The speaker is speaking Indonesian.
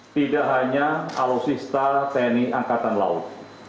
tidak hanya al sista tni angkatan laut